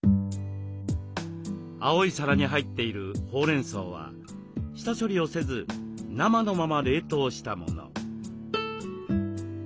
青い皿に入っているほうれんそうは下処理をせず生のまま冷凍したもの。